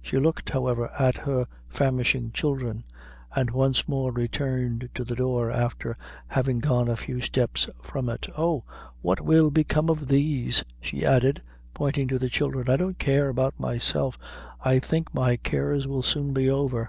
She looked, however, at her famishing children, and once more returned to the door, after having gone a few steps from it. "Oh, what will become of these?" she added, pointing to the children. "I don't care about myself I think my cares will soon be over."